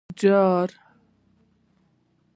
_جار!